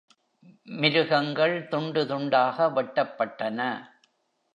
மிருகங்கள் துண்டு துண்டாக வெட்டப்பட்டன.